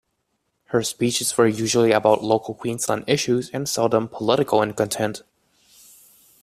Her speeches were usually about local Queensland issues and seldom political in content.